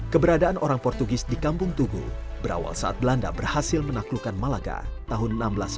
keberadaan orang portugis di kampung tugu berawal saat belanda berhasil menaklukkan malaka tahun seribu enam ratus sembilan puluh